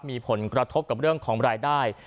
มีผลกระทบกับเรื่องของรายได้